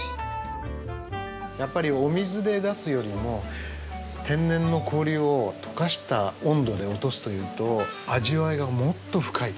やっぱりお水で出すよりも天然の氷を解かした温度で落とすというと味わいがもっと深い。